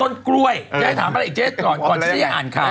ต้นกล้วยจะให้ถามอะไรอีกเจ๊ก่อนก่อนที่จะอ่านข่าว